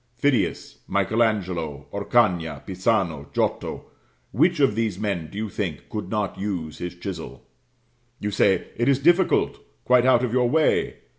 Phidias, Michael Angelo, Orcagna, Pisano, Giotto, which of these men, do you think, could not use his chisel? You say, "It is difficult; quite out of your way."